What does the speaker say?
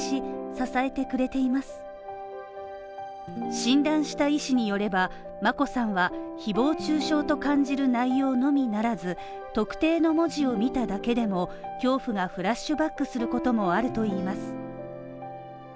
診断した医師によれば、眞子さんは誹謗中傷と感じる内容のみならず、特定の文字を見ただけでも恐怖がフラッシュバックすることもあるといいます。